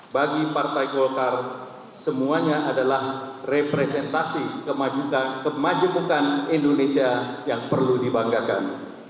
bagi partai golkar semuanya adalah representasi kemajukan indonesia yang perlu dibanggakan